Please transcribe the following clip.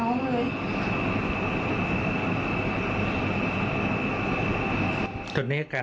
อันดับที่สุดท้าย